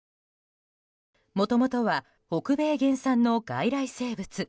もともとは北米原産の外来生物。